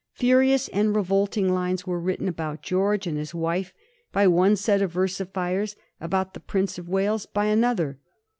Furious and revolting lines were written about George and his wife by one set of versifiers; about the Prince of Wales by another.